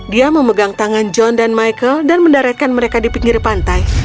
dia memegang tangan john dan michael dan mendaratkan mereka di pinggir pantai